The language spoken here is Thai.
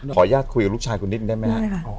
ขออนุญาตคุยกับลูกชายคุณนิดได้ไหมครับ